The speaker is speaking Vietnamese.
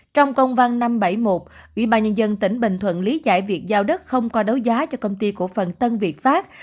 trong công văn năm trăm bảy mươi một ủy ban nhân dân tỉnh bình thuận lý giải việc giao đất không qua đấu giá cho công ty cổ phần tân việt pháp